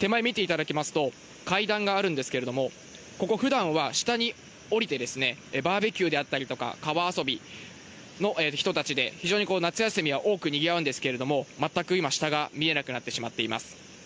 手前見ていただきますと、階段があるんですけれども、ここ、ふだんは下に下りて、バーベキューであったりとか、川遊びの人たちで、非常に夏休みは多くにぎわうんですけれども、全く今、下が見えなくなってしまっています。